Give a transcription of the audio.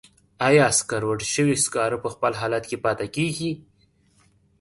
آیا سکروټې شوي سکاره په خپل حالت پاتې کیږي؟